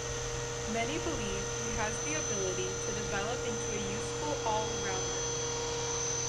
Many believe he has the ability to develop into a useful all-rounder.